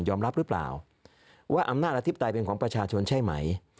รับหรือเปล่าว่าอำนาจอธิปไตยเป็นของประชาชนใช่ไหม